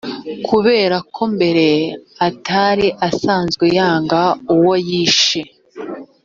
kubera ko mbere atari asanzwe yanga uwo yishe.